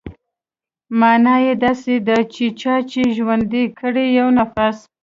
مانا يې داسې ده چې چا چې ژوندى کړ يو نفس.